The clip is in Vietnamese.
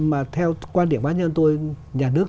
mà theo quan điểm bác nhân tôi nhà nước